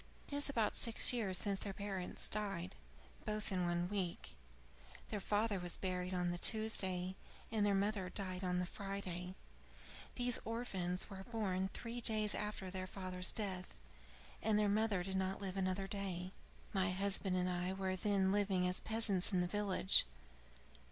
"It is about six years since their parents died, both in one week: their father was buried on the Tuesday, and their mother died on the Friday. These orphans were born three days after their father's death, and their mother did not live another day. My husband and I were then living as peasants in the village.